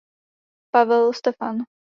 Pavel Stefan.